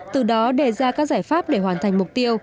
từ đó đề ra các giải pháp để hoàn thành mục tiêu